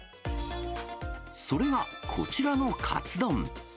それがこちらのカツ丼。